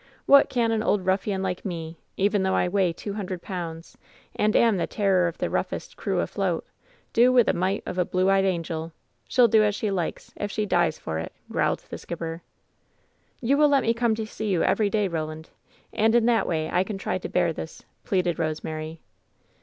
What can an old ruflSan like me, even though I weigh two hundred pounds, and am the terror of the roughest crew afloat, do with a mite of a blue eyed ans:el ? She'll do as she likes, if she dies for it!" growled the skipper. "You will let me come to see you every day, Roland, and in that way I can try to bear this," pleaded Rose mary.